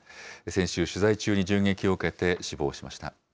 先週、取材中に銃撃を受けて死亡しました。